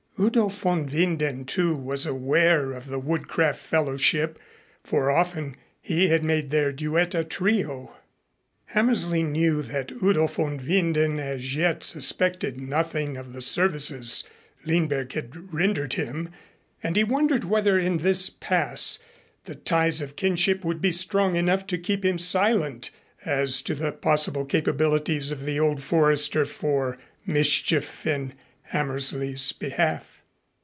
Udo von Winden, too, was aware of the woodcraft fellowship, for often he had made their duet a trio. Hammersley knew that Udo von Winden as yet suspected nothing of the services Lindberg had rendered him and he wondered whether in this pass the ties of kinship would be strong enough to keep him silent as to the possible capabilities of the old Forester for mischief in Hammersley's behalf.